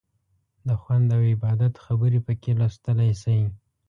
د خوند او عبادت خبرې پکې لوستلی شئ.